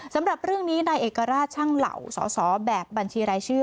สำหรับเรื่องนี้นายเอกราชช่างเหล่าสอสอแบบบัญชีรายชื่อ